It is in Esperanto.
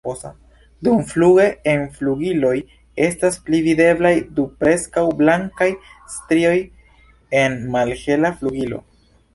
Dumfluge en flugiloj estas pli videblaj du preskaŭ blankaj strioj en malhela flugilo.